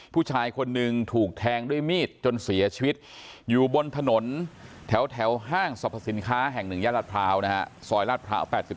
ผู้ชายคนนึงถูกแทงด้วยมีดจนเสียชีวิตอยู่บนถนนแถวห้างสรรพสินค้าแห่ง๑ย่านรัฐพร้าว